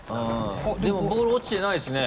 でもボール落ちてないですね。